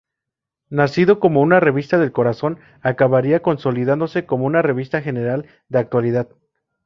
Nacido como una revista del corazón, acabaría consolidándose como una revista general de actualidad.